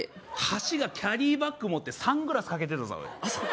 箸がキャリーバッグ持ってサングラスかけてたぞおい